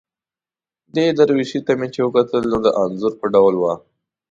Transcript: دې درویشي ته مې چې وکتل، نو د انځور په ډول وه.